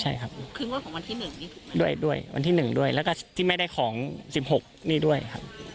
ใช่ครับคือเงินของวันที่หนึ่งด้วยด้วยวันที่หนึ่งด้วยแล้วก็ที่ไม่ได้ของสิบหกนี่ด้วยครับ